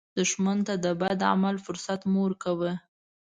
دښمن ته د بد عمل فرصت مه ورکوه